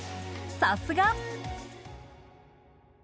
さすが！